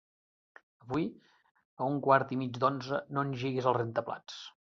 Avui a un quart i mig d'onze no engeguis el rentaplats.